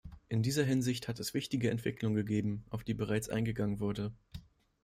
In dieser Hinsicht hat es wichtige Entwicklungen gegeben, auf die bereits eingegangen wurde.